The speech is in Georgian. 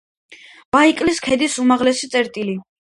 ბაიკალის ქედის უმაღლესი წერტილი.